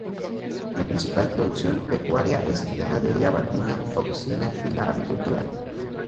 La principal producción pecuaria es: Ganadería Vacuna, porcina y la avicultura.